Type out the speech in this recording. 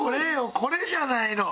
これじゃないの。